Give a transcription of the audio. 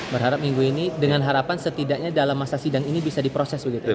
berharap minggu ini dengan harapan setidaknya dalam masa sidang ini bisa diproses begitu